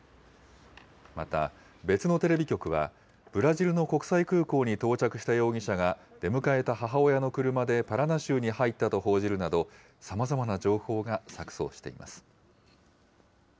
また、別のテレビ局は、ブラジルの国際空港に到着した容疑者が、出迎えた母親の車でパラナ州に入ったと報じるなど、さまざまな情報が錯そうしています。